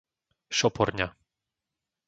Šoporňa